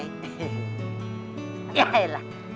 ya ya lah